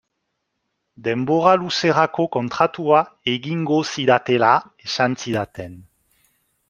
Denbora luzerako kontratua egingo zidatela esan zidaten.